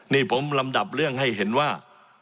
นี่ผมลำดับเรื่องให้เห็นว่า